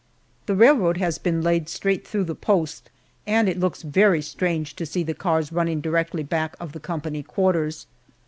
The railroad has been laid straight through the post, and it looks very strange to see the cars running directly back of the company quarters.